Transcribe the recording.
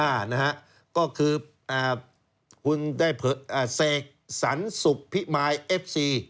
อะนะคะก็คือเศกสรรสุปิมาลเอฟซี